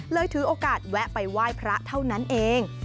ถือโอกาสแวะไปไหว้พระเท่านั้นเอง